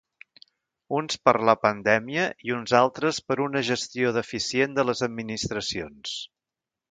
Uns per la pandèmia i uns altres per una gestió deficient de les administracions.